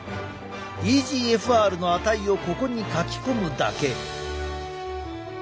ｅＧＦＲの値をここに書き込むだけ。